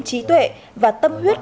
trí tuệ và tâm huyết